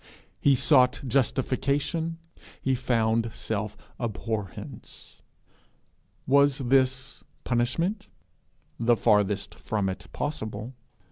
He sought justification; he found self abhorrence. Was this punishment? The farthest from it possible.